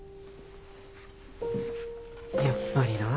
やっぱりなあ。